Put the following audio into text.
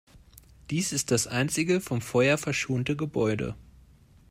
Dies ist das einzige vom Feuer verschonte Gebäude.